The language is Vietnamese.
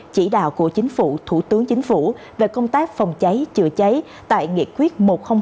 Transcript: chỉ đạo của chính phủ thủ tướng chính phủ về công tác phòng cháy chữa cháy tại nghị quyết một trăm linh ba